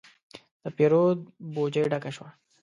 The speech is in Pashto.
د پیرود بوجي ډکه شوه.